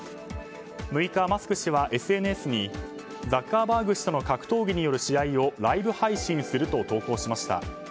６日マスク氏はＳＮＳにザッカーバーグ氏との格闘技による試合をライブ配信すると投稿しました。